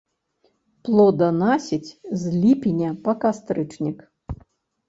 Плоданасіць з ліпеня па кастрычнік.